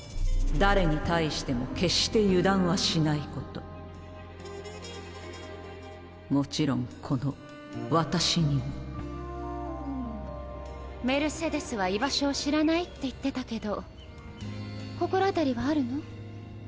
誰に対しても決して油断はしないこともちろんこの私にもメルセデスは居場所を知らないって言ってたけど心当たりはあるの？